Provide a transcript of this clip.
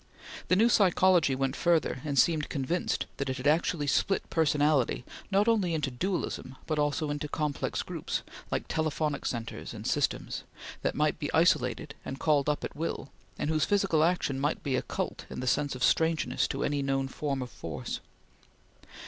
The new psychology went further, and seemed convinced that it had actually split personality not only into dualism, but also into complex groups, like telephonic centres and systems, that might be isolated and called up at will, and whose physical action might be occult in the sense of strangeness to any known form of force.